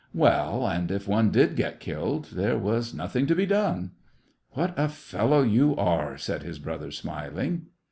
Well, and if one did get killed, there was nothing to be done. *• What a fellow you are !" said his brother, smiling.